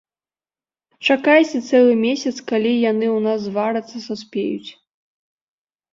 Чакайце цэлы месяц, калі яны ў нас зварацца-саспеюць.